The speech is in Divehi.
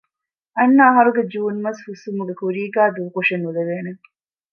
އަންނަ އަހަރުގެ ޖޫން މަސް ހުސްވުމުގެ ކުރީގައި ދޫކޮށެއް ނުލެވޭނެ